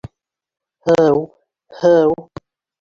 Һыу!.. һыу!